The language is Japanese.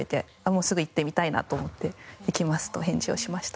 もうすぐ行ってみたいなと思って「行きます」と返事をしました。